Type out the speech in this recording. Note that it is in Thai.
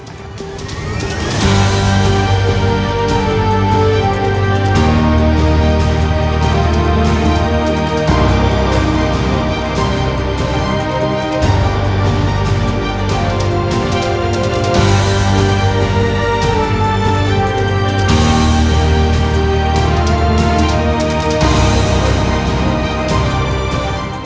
โปรดติดตามตอนต่อไป